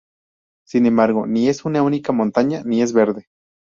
Sin embargo ni es una única montaña, ni es verde.